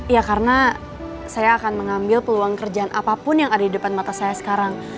ya karena saya akan mengambil peluang kerjaan apapun yang ada di depan mata saya sekarang